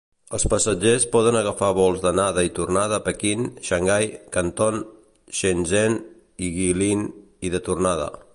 Els passatgers poden agafar vols d'anada i tornada a Pequín, Xangai, Canton, Shenzhen i Guilin i de tornada.